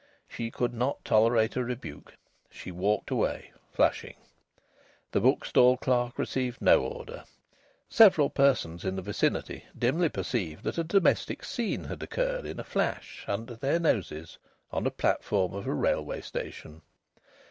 She could not tolerate a rebuke. She walked away, flushing. The bookstall clerk received no order. Several persons in the vicinity dimly perceived that a domestic scene had occurred, in a flash, under their noses, on a platform of a railway station.